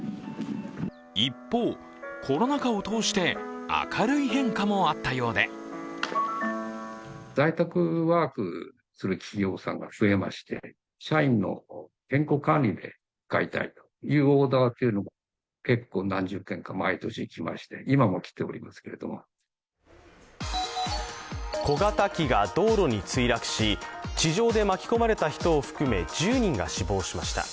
一方、コロナ禍を通して明るい変化もあったようで小型機が道路に墜落し地上で巻き込まれた人を含め１０人が死亡しました。